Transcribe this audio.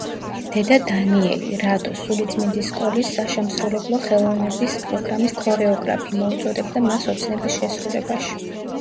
დედა დანიელი, რადო, სულიწმიდის სკოლის საშემსრულებლო ხელოვნების პროგრამის ქორეოგრაფი, მოუწოდებდა მას ოცნების შესრულებაში.